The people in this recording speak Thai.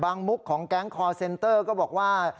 มุกของแก๊งคอร์เซ็นเตอร์ก็บอกว่า